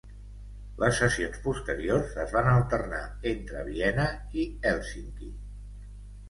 Les sessions posteriors es van alternar entre Viena i Hèlsinki.